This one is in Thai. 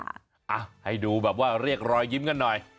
อ่ะให้ดูแบบว่าเรียกรอยยิ้มกันหน่อย